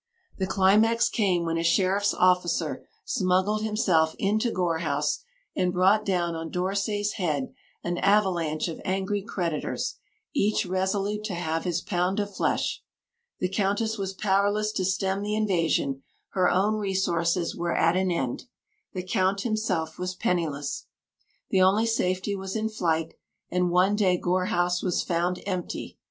The climax came when a sheriff's officer smuggled himself into Gore House, and brought down on d'Orsay's head an avalanche of angry creditors, each resolute to have his "pound of flesh." The Countess was powerless to stem the invasion; her own resources were at an end, the Count himself was penniless. The only safety was in flight; and one day Gore House was found empty.